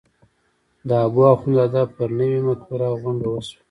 د حبواخندزاده پر نوې مقبره غونډه وشوه.